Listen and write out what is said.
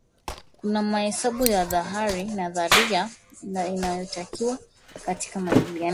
kuna mahesabu ya nadharia inayotakiwa katika majadiliano yetu